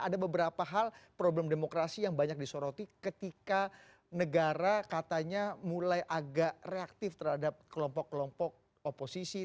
ada beberapa hal problem demokrasi yang banyak disoroti ketika negara katanya mulai agak reaktif terhadap kelompok kelompok oposisi